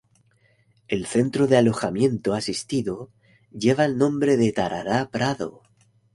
El centro de alojamiento asistido lleva el nombre de "Tarará-Prado".